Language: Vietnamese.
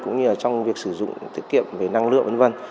cũng như là trong việc sử dụng tiết kiệm về năng lượng